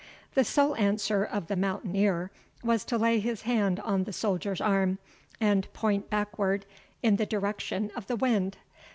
The sole answer of the mountaineer was to lay his hand on the soldier's arm, and point backward in the direction of the wind.